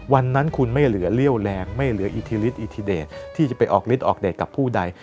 วันนั้นคุณไม่เหลือเลี่ยวแรงไม่เหลืออิทธิฤทธิอิทธิเดชที่จะไปออกฤทธิออกเดทกับผู้ใด